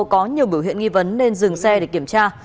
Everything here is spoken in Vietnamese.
có nhiều biểu hiện nghi vấn nên dừng xe để kiểm tra